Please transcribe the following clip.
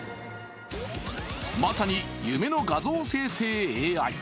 まさに夢の画像生成ＡＩ。